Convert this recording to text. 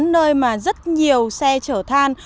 nơi mà rất nhiều xe chở than